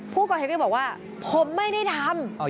ผู้ก็บอกว่าผมไม่ได้ทำ